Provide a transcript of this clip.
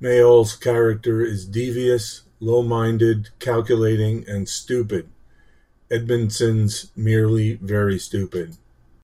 Mayall's character is devious, low-minded, calculating and stupid; Edmondson's merely very stupid.